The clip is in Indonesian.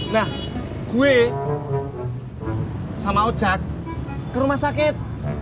nah gue sama ocak ke rumah sakit